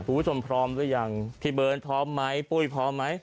คุณผู้ชมพร้อมหรือยังพี่เบิร์ตพร้อมไหมปุ้ยพร้อมไหม